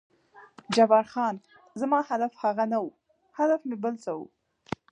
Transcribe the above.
جبار خان: زما هدف هغه نه و، هدف مې بل څه و.